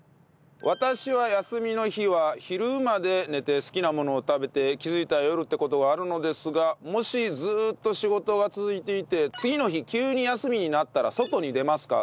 私は休みの日は昼まで寝て好きなものを食べて気づいたら夜って事があるのですがもしずーっと仕事が続いていて次の日急に休みになったら外に出ますか？